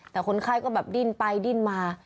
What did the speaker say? แต่คนไข้ก็ดินไปดินมา